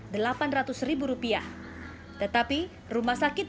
tetapi rumah sakit nasional hospital surabaya jawa timur